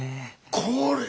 これ！